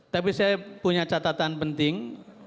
tapi saya punya catatan penting